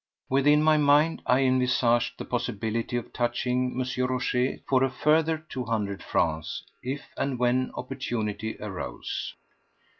Within my mind I envisaged the possibility of touching M. Rochez for a further two hundred francs if and when opportunity arose.